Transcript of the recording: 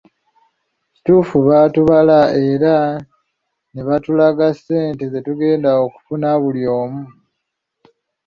Kituufu baatubala era ne batulaga ssente ze tugenda okufuna buli omu.